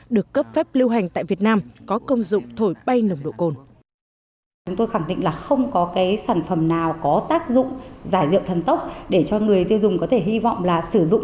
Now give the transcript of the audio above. được cấp phép lưu hành tại việt nam có công dụng thổi bay nồng độ cồn